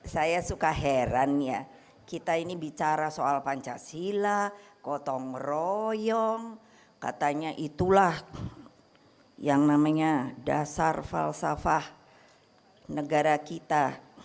saya suka heran ya kita ini bicara soal pancasila kotong royong katanya itulah yang namanya dasar falsafah negara kita